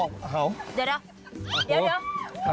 เขาบอกเหรอ